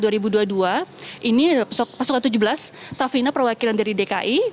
ini adalah pasukan tujuh belas safina perwakilan dari dki